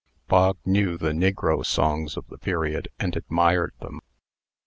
Bog knew the negro songs of the period, and admired them.